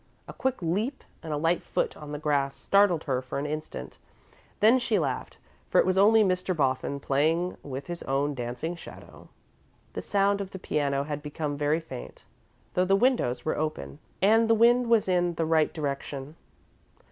A quick leap and a light foot on the grass startled her for an instant, then she laughed, for it was only Mr. Boffin, playing with his own dancing shadow. [Illustration: musical notation.] The sound of the piano had become very faint, though the windows were open and the wind was in the right direction.